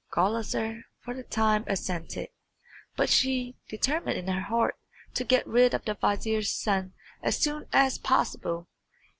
Gulizar for the time assented, but she determined in her heart to get rid of the vizier's son as soon as possible.